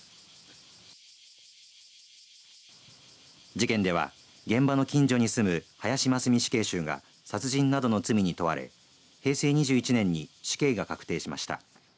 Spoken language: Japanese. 事件では現場の近所に住む林真須美死刑囚が殺人などの罪に問われ平成２１年に死刑が確定しました。